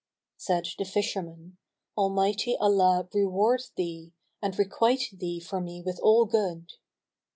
Said the fisherman, Almighty Allah reward thee, and requite thee for me with all good!"